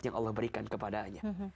yang allah berikan kepadanya